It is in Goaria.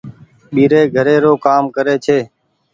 ٻيري گهري رو ڪآم ڪري ڇي۔